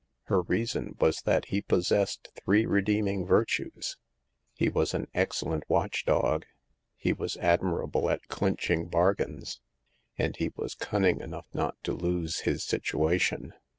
Her reason was that he possessed three redeeming virtues : he was an excellent watch dog, he was admirable at clinching bargains, and he was cunning enough not to lose his situation.